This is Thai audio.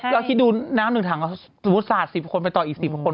เราคิดดูน้ำหนึ่งถังสมมุติศาสตร์๑๐คนไปต่ออีก๑๐คน